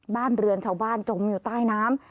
บ้านเรือนชาวบ้านจมอยู่ใต้น้ำ